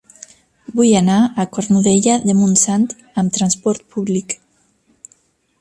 Vull anar a Cornudella de Montsant amb trasport públic.